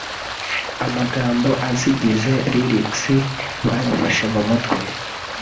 amagambo azigize [lyrics] bayafashe mu mutwe